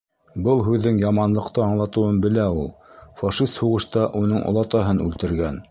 Был һүҙҙең яманлыҡты аңлатыуын белә ул. Фашист һуғышта уның олатаһын үлтергән.